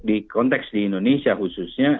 di konteks di indonesia khususnya